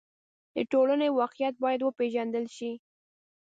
د ټولنې واقعیت باید وپېژندل شي.